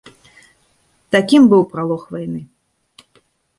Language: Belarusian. Такім быў пралог вайны.